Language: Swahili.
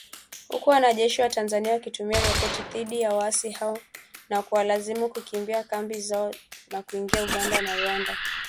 Huku wanajeshi wa Tanzania wakitumia roketi dhidi ya waasi hao na kuwalazimu kukimbia kambi zao na kuingia Uganda na Rwanda.